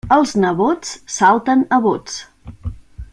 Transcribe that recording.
Els nebots salten a bots.